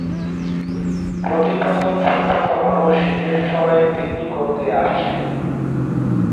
প্রতি বছর শত শত মানুষ শীতের সময়ে পিকনিক করতে আসেন।